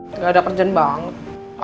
tidak ada kerjaan banget